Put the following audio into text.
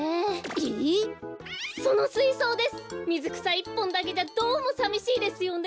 いっぽんだけじゃどうもさみしいですよね！